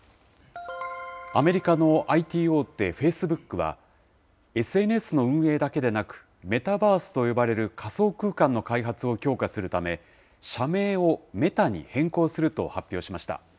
アメリカのＩＴ大手、フェイスブックは、ＳＮＳの運営だけでなく、メタバースと呼ばれる仮想空間の開発を強化するため、社名をメタに変更すると発表しました。